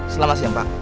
selamat siang pak